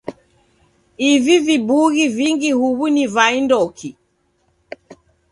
Ivi vibughi vingi huw'u ni vandoki?